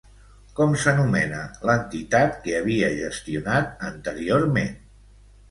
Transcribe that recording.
Com s'anomena l'entitat que havia gestionat anteriorment?